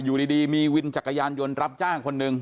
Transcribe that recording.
อยู่ดีมีวินจักรยานยนต์รับจ้างคนหนึ่ง